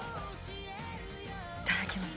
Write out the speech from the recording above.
いただきます。